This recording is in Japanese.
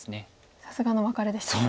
さすがのワカレでしたか。